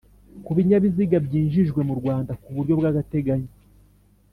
ku binyabiziga byinjijwe mu Rwanda ku buryo bw’agateganyo.